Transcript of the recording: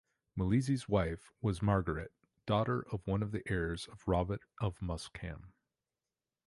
Malise's wife was Margaret, daughter of one of the heirs of Robert of Muskham.